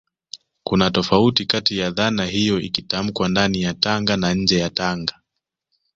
kuna tofauti kati ya dhana hiyo ikitamkwa ndani ya Tanga na nje ya Tanga